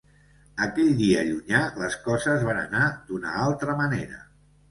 Aquell dia llunyà les coses van anar d'una altra manera.